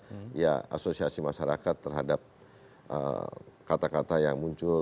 jadi ini adalah organisasi masyarakat terhadap kata kata yang muncul